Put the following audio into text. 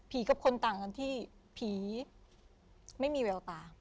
กับคนต่างกันที่ผีไม่มีแววตา